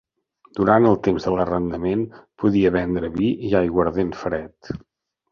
Durant el temps de l'arrendament podia vendre vi i aiguardent fred.